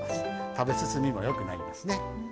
食べ進みもよくなりますね。